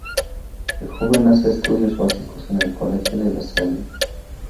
De joven hace estudios básicos en el Colegio De La Salle.